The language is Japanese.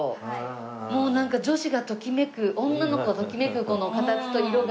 もうなんか女子がときめく女の子がときめくこの形と色が。